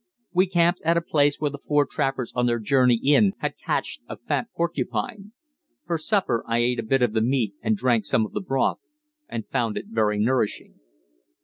We camped at a place where the four trappers on their journey in had cached a fat porcupine. For supper I ate a bit of the meat and drank some of the broth, and found it very nourishing.